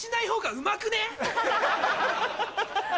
ハハハ。